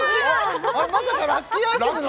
まさかラッキーアイテムの？